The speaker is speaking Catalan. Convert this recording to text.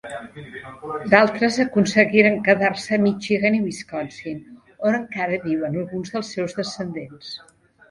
D'altres aconseguiren quedar-se a Michigan i Wisconsin, on encara viuen alguns dels seus descendents.